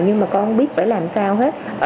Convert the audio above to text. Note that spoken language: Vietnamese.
nhưng mà con biết phải làm sao hết